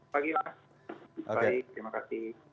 pagi mas baik terima kasih